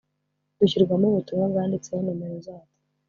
dushyirwamo ubutumwa bwanditseho nomero zatwo.